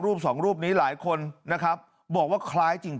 รูปสองรูปนี้หลายคนบอกว่าคล้ายจริง